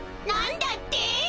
なんだって！